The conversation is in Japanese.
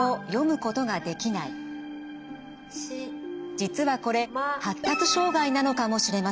実はこれ発達障害なのかもしれません。